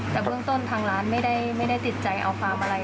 แต่เบื้องต้นทางร้านไม่ได้ติดใจเอาความอะไร